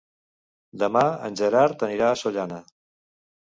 Demà en Gerard anirà a Sollana.